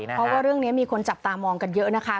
เพราะว่าเรื่องนี้มีคนจับตามองกันเยอะนะคะ